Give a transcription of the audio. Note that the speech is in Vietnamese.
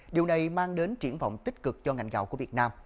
điều này mang đến triển vọng tích cực cho ngành gạo của việt nam